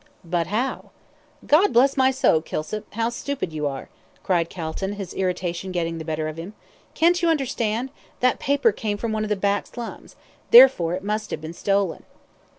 "But how?" "God bless my soul, Kilsip! How stupid you are," cried Calton, his irritation getting the better of him. "Can't you understand that paper came from one of the back slums therefore it must have been stolen."